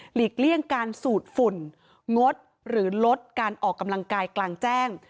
เลี่ยงการสูดฝุ่นงดหรือลดการออกกำลังกายกลางแจ้ง